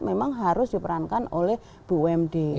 memang harus diperankan oleh bumd